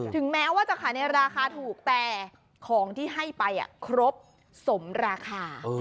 ถึงแม้ว่าจะขายในราคาถูกแต่ของที่ให้ไปครบสมราคา